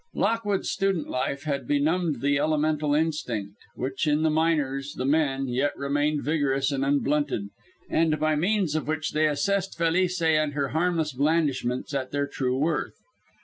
Lockwood's student life had benumbed the elemental instinct, which in the miners, the "men," yet remained vigorous and unblunted, and by means of which they assessed Felice and her harmless blandishments at their true worth.